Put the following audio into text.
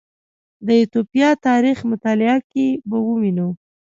د ایتوپیا تاریخ مطالعه کې به ووینو